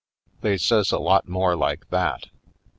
They says a lot more like that.